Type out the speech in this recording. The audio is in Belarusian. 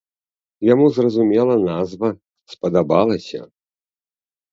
Яму, зразумела, назва спадабалася.